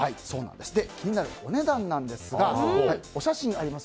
気になるお値段ですがお写真あります。